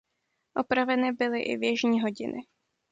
Opraveny byly i věžní hodiny.